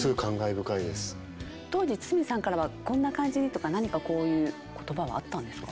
当時筒美さんからはこんな感じでとか何かこういう言葉はあったんですか？